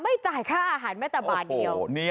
จ่ายค่าอาหารแม้แต่บาทเดียว